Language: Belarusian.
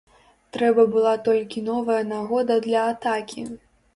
Трэба была толькі новая нагода для атакі.